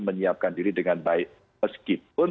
menyiapkan diri dengan baik meskipun